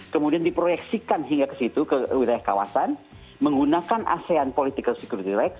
kemudian diproyeksikan hingga ke situ ke wilayah kawasan menggunakan asean political security rights